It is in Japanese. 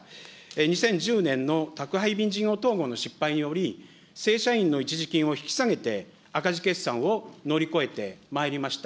２０１０年の宅配便事業統合の失敗により、正社員の一時金を引き下げて、赤字決算を乗り越えてまいりました。